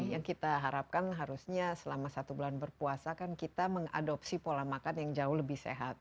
yang kita harapkan harusnya selama satu bulan berpuasa kan kita mengadopsi pola makan yang jauh lebih sehat